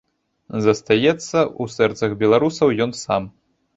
Застаецца ў сэрцах беларусаў ён сам.